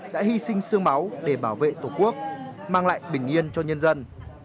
đã hy sinh sương máu để bảo vệ tổ quốc mang lại bình yên cho nhân dân